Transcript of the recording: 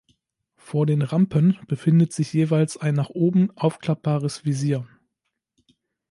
Vor den Rampen befindet sich jeweils ein nach oben aufklappbares Visier.